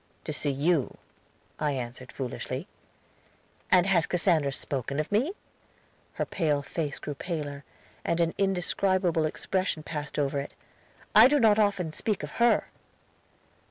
"'To see you,' I answered foolishly. "'And has Cassandra spoken of me?' Her pale face grew paler, and an indescribable expression passed over it. 'I do not often speak of her.'